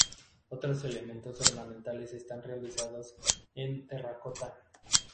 Otros elementos ornamentales están realizados en terracota.